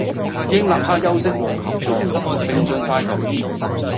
應立刻休息和求助，並盡快求醫